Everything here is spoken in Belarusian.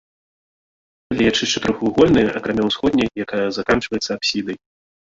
Плечы чатырохвугольныя, акрамя ўсходняй, якая заканчваецца апсідай.